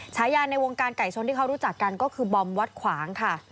ฉายาในวงการไก่ชนที่เขารู้จักกันก็คือบอมวัดขวางค่ะ